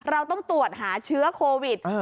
เราต้องตรวจหาเชื้อโควิด